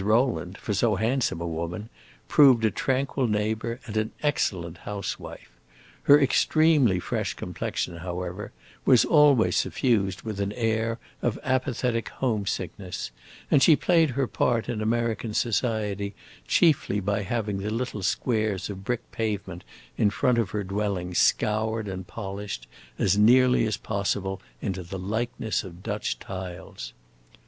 Rowland, for so handsome a woman, proved a tranquil neighbor and an excellent housewife. Her extremely fresh complexion, however, was always suffused with an air of apathetic homesickness, and she played her part in American society chiefly by having the little squares of brick pavement in front of her dwelling scoured and polished as nearly as possible into the likeness of Dutch tiles.